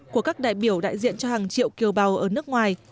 của các đại biểu đại diện cho hàng triệu kiều bào ở nước ngoài